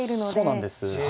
そうなんです。